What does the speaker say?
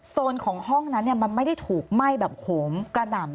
โซนของห้องนั้นมันไม่ได้ถูกไหม้แบบโหมกระหน่ำ